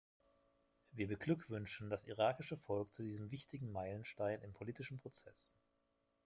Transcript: Wir beglückwünschen das irakische Volk zu diesem wichtigen Meilenstein im politischen Prozess.